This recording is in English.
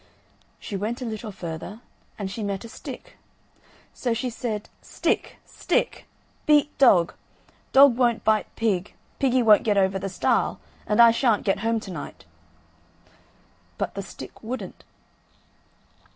She went a little further, and she met a stick. So she said: "Stick! stick! beat dog! dog won't bite pig; piggy won't get over the stile; and I shan't get home to night." But the stick wouldn't.